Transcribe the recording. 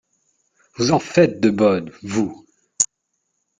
Vous en faites de bonnes, vous !